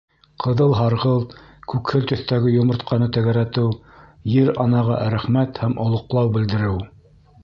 Ҡыҙыл-һарғылт, күкһел төҫтәге йомортҡаны тәгәрәтеү — Ер-анаға рәхмәт һәм олоҡлау белдереү.